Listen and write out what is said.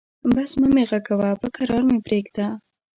بس مه مې غږوه، به کرار مې پرېږده.